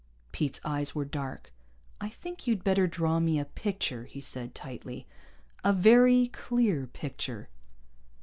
Pete's eyes were dark. "I think you'd better draw me a picture," he said tightly. "A very clear picture."